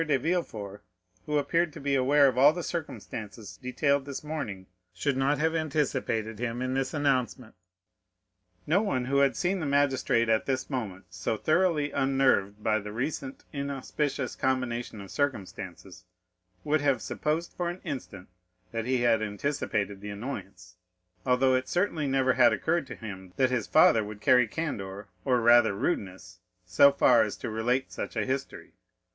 de Villefort, who appeared to be aware of all the circumstances detailed this morning, should not have anticipated him in this announcement." No one who had seen the magistrate at this moment, so thoroughly unnerved by the recent inauspicious combination of circumstances, would have supposed for an instant that he had anticipated the annoyance; although it certainly never had occurred to him that his father would carry candor, or rather rudeness, so far as to relate such a history.